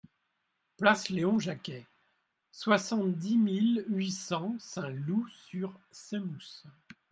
Place Léon Jacquey, soixante-dix mille huit cents Saint-Loup-sur-Semouse